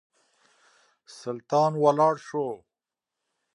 سلطان ولاړ شو.